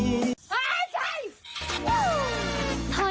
เฮ้ยใช่